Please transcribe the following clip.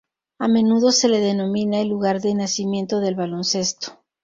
A menudo se le denomina "El lugar de nacimiento del baloncesto".